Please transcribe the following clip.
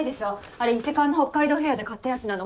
あれイセカンの北海道フェアで買ったやつなの。